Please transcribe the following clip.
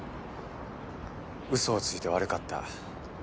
嘘をついて悪かった。